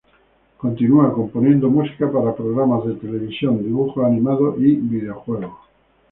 Continúa componiendo música para programas de televisión, dibujos animados y videojuegos.